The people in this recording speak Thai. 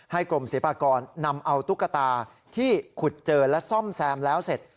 กรมศิลปากรนำเอาตุ๊กตาที่ขุดเจอและซ่อมแซมแล้วเสร็จ